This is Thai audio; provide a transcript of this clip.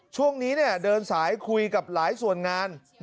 ช่วงนี้เดินสายคุยกับหลายส่วนงาน